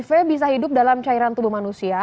v bisa hidup dalam cairan tubuh manusia